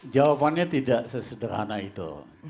jawabannya tidak sesederhana itu